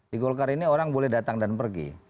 di golkar ini orang boleh datang dan pergi